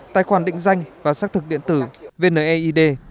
tài khoản định danh và xác thực điện tử vneid